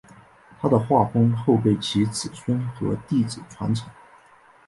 他的画风后被其子孙和弟子传承。